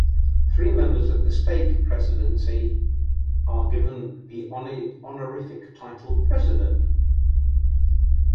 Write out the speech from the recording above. The three members of the stake presidency are given the honorific title "President".